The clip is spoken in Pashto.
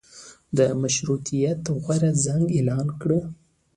د مشروطیت غورځنګ اعلان کړ.